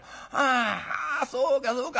あそうかそうか。